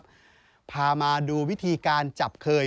พามาดูวิธีการจับเคย